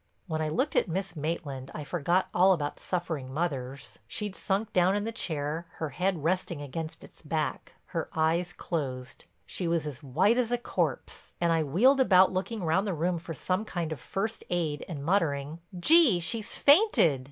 When I looked at Miss Maitland I forgot all about suffering mothers. She'd sunk down in the chair, her head resting against its back, her eyes closed. She was as white as a corpse, and I wheeled about looking round the room for some kind of first aid and muttering, "Gee, she's fainted!"